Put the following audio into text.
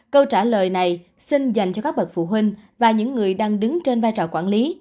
câu trả lời này xin dành cho các bậc phụ huynh và những người đang đứng trên vai trò quản lý